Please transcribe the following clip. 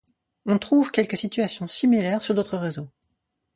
On trouve quelques situations similaires sur d'autres réseaux.